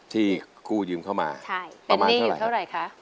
ที่กูยืมเข้ามาใช่เป็นได้อยู่เท่าไรคะ